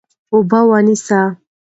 اوبه ونیسه.